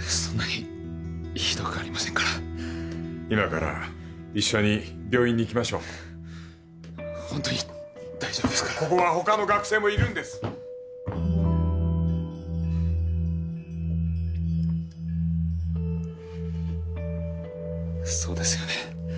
そんなにひどくありませんから今から一緒に病院に行きましょうホントに大丈夫ですからここは他の学生もいるんですそうですよね